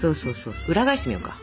裏返してみようか。